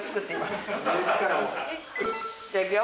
じゃあいくよ。